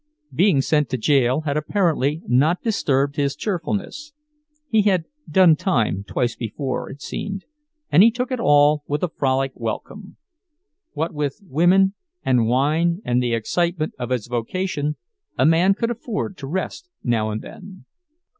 Being sent to jail had apparently not disturbed his cheerfulness; he had "done time" twice before, it seemed, and he took it all with a frolic welcome. What with women and wine and the excitement of his vocation, a man could afford to rest now and then.